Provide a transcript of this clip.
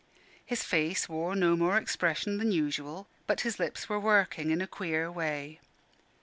His face wore no more expression than usual, but his lips were working in a queer way.